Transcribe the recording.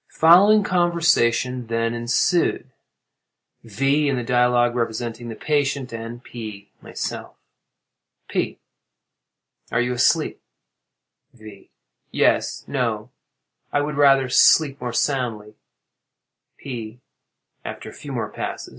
The following conversation then ensued:—V. in the dialogue representing the patient, and P. myself. P. Are you asleep? V. Yes—no; I would rather sleep more soundly. P. [_After a few more passes.